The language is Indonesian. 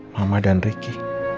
mama dan ricky